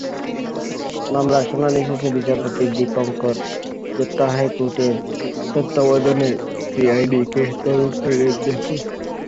মামলার শুনানি শেষে বিচারপতি দীপংকর দত্ত হাইকোর্টের তত্ত্বাবধানে সিআইডিকে তদন্তের নির্দেশ দেন।